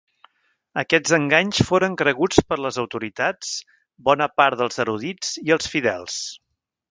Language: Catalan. Aquests enganys foren creguts per les autoritats, bona part dels erudits i els fidels.